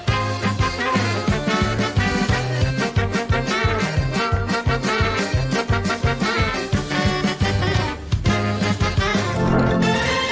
สวัสดีครับ